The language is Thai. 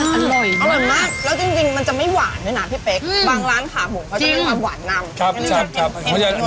คือไม่เหมือนเส้นก๋วยจั๊บน้ำข้นมันจะนิ่ม